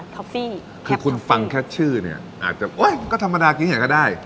คือคุณฟังแค่ชื่อก็ก็ธรรมดากินอย่างนี้ก็ได้